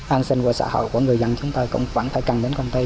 an sinh qua xã hội của người dân chúng ta cũng vẫn phải cần đến công ty